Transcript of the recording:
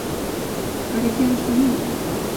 Per a què els volien?